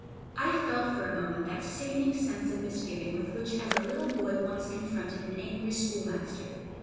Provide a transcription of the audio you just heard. I felt for a moment that sickening sense of misgiving with which as a little boy one confronted an angry schoolmaster.